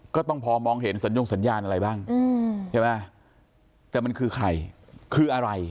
ก็ต้องพอมองเห็นสัญญงสัญญาณอะไรบ้างใช่ไหมแต่มันคือใครคืออะไร